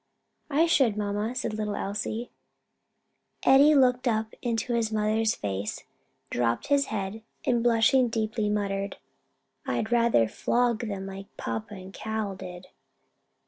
"I should, mamma," said little Elsie. Eddie looked up into his mother's face, dropped his head, and blushing deeply muttered, "I'd rather flog them like papa and Cal did."